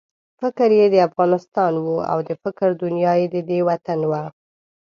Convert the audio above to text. فکر یې د افغانستان وو او د فکر دنیا یې ددې وطن وه.